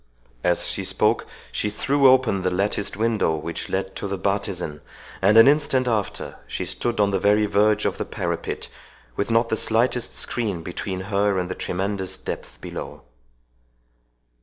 As she spoke, she threw open the latticed window which led to the bartisan, and in an instant after, stood on the very verge of the parapet, with not the slightest screen between her and the tremendous depth below.